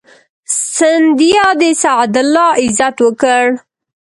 سیندیا د سعد الله عزت وکړ.